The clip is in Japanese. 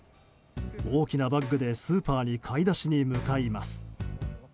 大きなバッグでスーパーに買い出しに向かいます。